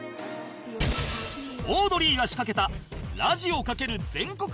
オードリーが仕掛けたラジオ×全国